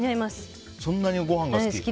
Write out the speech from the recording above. そんなにご飯が好き？